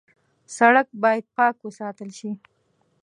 سړک باید پاک وساتل شي.